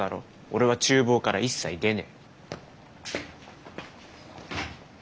俺は厨房から一切出ねえ。